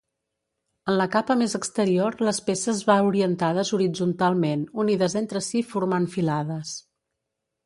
En la capa més exterior les peces va orientades horitzontalment, unides entre si formant filades.